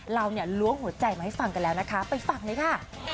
เราเนี่ยล้วงหัวใจมาให้ฟังกันแล้วนะคะไปฟังเลยค่ะ